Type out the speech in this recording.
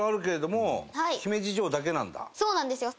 そうなんですよ。